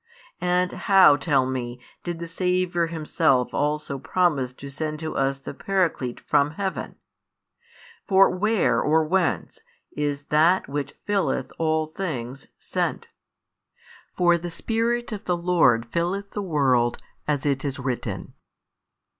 And how, tell me, did the Saviour Himself also promise to send to us the Paraclete from heaven? For where or whence is That Which filleth all things sent? For the Spirit of the Lord filleth the world, as it is written.